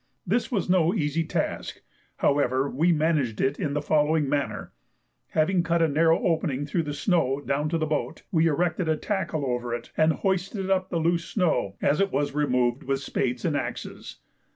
This was no easy task; however, we managed it in the following manner. Having cut a narrow opening through the snow down to the boat, we erected a tackle over it and hoisted up the loose snow, as it was removed with spades and axes.